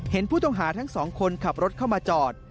เห็นผู้ต้องหาทั้งสองคนขับรถเข้ามาจอด